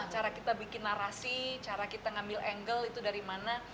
cara kita bikin narasi cara kita ngambil angle itu dari mana